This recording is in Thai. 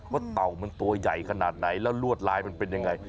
เต่ามันตัวใหญ่ขนาดไหนแล้วลวดลายมันเป็นยังไง